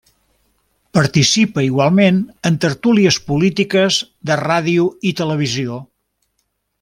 Participa igualment en tertúlies polítiques de ràdio i televisió.